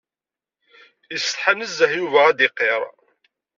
Yesseḍḥa nezzeh Yuba ad d-iqir.